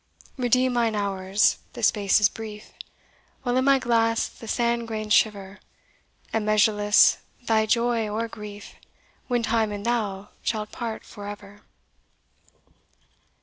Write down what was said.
"Redeem mine hours the space is brief While in my glass the sand grains shiver, And measureless thy joy or grief, When Time and thou shalt part for ever!"